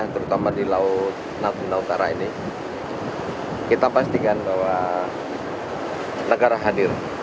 terutama di laut natuna utara ini kita pastikan bahwa negara hadir